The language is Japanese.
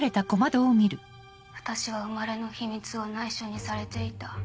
私は生まれの秘密を内緒にされていた。